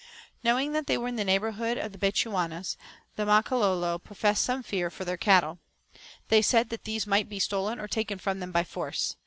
Knowing that they were in the neighbourhood of Bechuanas, the Makololo professed some fear for their cattle. They said that these might be stolen or taken from them by force.